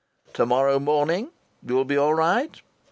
"To morrow morning you'll be all right?"